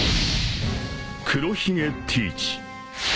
［黒ひげティーチ］